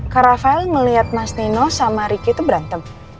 kak rafael melihat mas nino sama ricky itu berantem